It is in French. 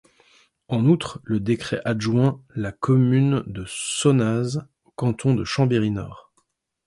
En outre, le décret adjoint la commune de Sonnaz au canton de Chambéry-Nord.